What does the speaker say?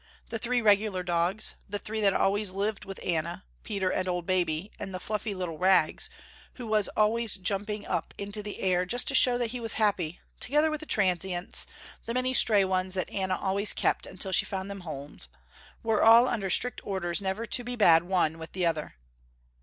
The three regular dogs, the three that always lived with Anna, Peter and old Baby, and the fluffy little Rags, who was always jumping up into the air just to show that he was happy, together with the transients, the many stray ones that Anna always kept until she found them homes, were all under strict orders never to be bad one with the other.